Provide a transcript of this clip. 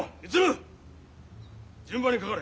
順番にかかれ。